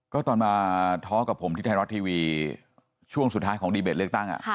ก็ตอนมาท้อกับผมที่ไทยรัฐทีวีช่วงสุดท้ายของดีเบตเลือกตั้ง